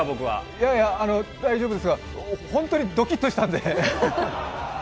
いやいや大丈夫ですがホントにドキッとしたんで。